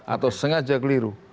atau sengaja keliru